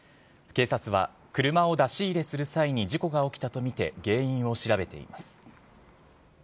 警察は車を出し入れする際に事故が起きたと見て原因を調べています。